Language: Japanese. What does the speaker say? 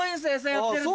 やってると。